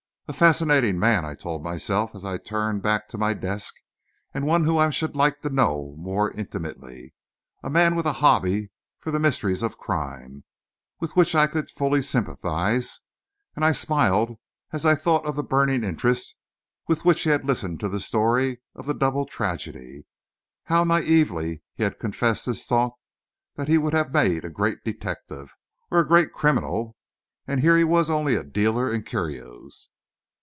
A fascinating man, I told myself as I turned back to my desk, and one whom I should like to know more intimately; a man with a hobby for the mysteries of crime, with which I could fully sympathise; and I smiled as I thought of the burning interest with which he had listened to the story of the double tragedy. How naïvely he had confessed his thought that he would have made a great detective or a great criminal; and here he was only a dealer in curios.